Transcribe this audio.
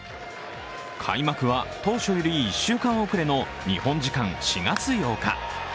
開幕は当初より１週間遅れの日本時間４月８日。